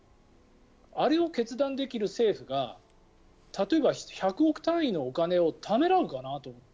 あれを決断できる政府が例えば１００億単位のお金をためらうかなと思って。